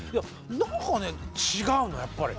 何かね違うのやっぱり。